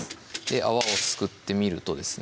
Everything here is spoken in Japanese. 泡をすくってみるとですね